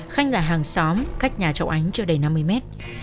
khanh là hàng xóm cách nhà cháu ánh chưa đầy năm mươi mét